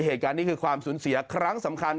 เหตุการณ์นี้คือความสูญเสียครั้งสำคัญ